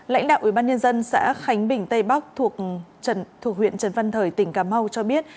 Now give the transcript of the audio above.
lãnh đạo ubnd xã khánh bình tây bắc thuộc huyện trần văn thời tỉnh cà mau cho biết